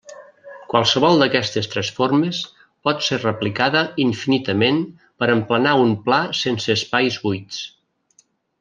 Qualsevol d'aquestes tres formes pot ser replicada infinitament per emplenar un pla sense espais buits.